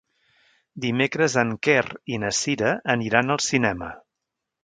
Dimecres en Quer i na Cira aniran al cinema.